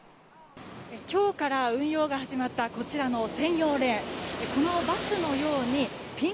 今日から運用が始まったこちらの専用レーン。